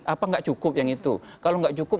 apa nggak cukup yang itu kalau nggak cukup